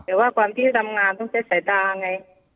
แต่ว่าก่อนที่จะทำงานต้องใช้สายตาไง